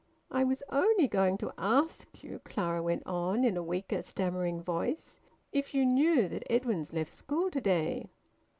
"I was only going to ask you," Clara went on, in a weaker, stammering voice, "if you knew that Edwin's left school to day."